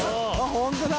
ホントだ！